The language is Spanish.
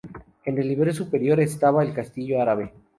En el nivel superior estaba el castillo árabe.